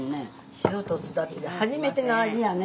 塩とすだちで初めての味やね。